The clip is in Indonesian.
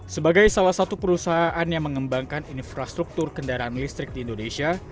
sebagai salah satu perusahaan yang mengembangkan infrastruktur kendaraan listrik di indonesia